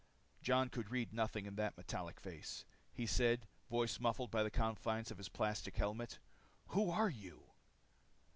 Jon could read nothing in that metallic face. He said, voice muffled by the confines of the plastic helmet, "Who are you?"